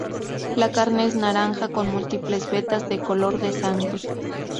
La carne es naranja con múltiples vetas de color de sangre.